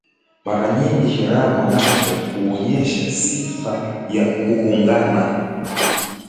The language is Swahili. Mara nyingine irabu nazo huonyesha sifa ya kuungana